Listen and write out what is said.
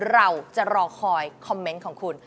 เราจะรอคอยคอมเมนต์ของคุณ